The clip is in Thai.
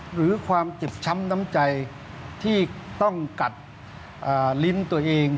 หรือความเจ็บช้ำน้ำใจที่ต้องกัดลิ้นตัวเอง